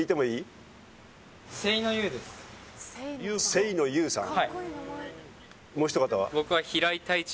清野悠さん？